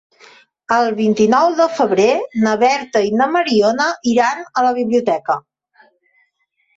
El vint-i-nou de febrer na Berta i na Mariona iran a la biblioteca.